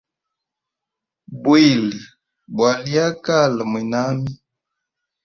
Bwili bwali akala mwinami.